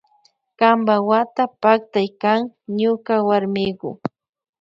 Kampa wata paktay kan ñuka warmiku.